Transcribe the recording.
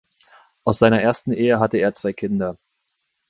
Aus seiner ersten Ehe hatte er zwei Kinder.